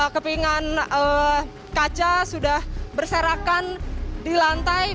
kepingan kaca sudah berserakan di lantai